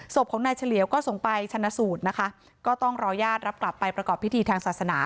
ศพของนายเฉลียวก็ส่งไปชนะสูตรนะคะก็ต้องรอญาติรับกลับไปประกอบพิธีทางศาสนา